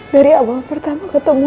dari awal pertama ketemu